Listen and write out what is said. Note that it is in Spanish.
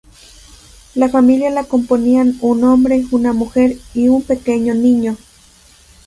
La familia la componían un hombre, una mujer y un pequeño niño.